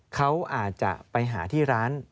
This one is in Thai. เขาอาจจะไปหาที่ร้าน